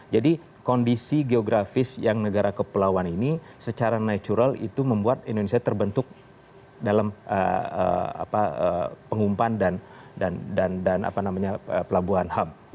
jadi kondisi geografis yang negara kepulauan ini secara natural itu membuat indonesia terbentuk dalam pengumpan dan pelabuhan hub